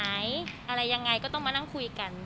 อะไรยังไงก็ต้องมานั่งคุยกัน